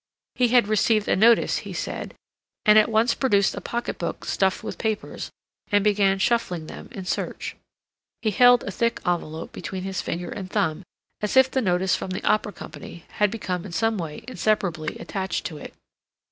He had received a notice, he said, and at once produced a pocket book stuffed with papers, and began shuffling them in search. He held a thick envelope between his finger and thumb, as if the notice from the opera company had become in some way inseparably attached to it.